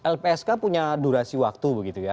lpsk punya durasi waktu begitu ya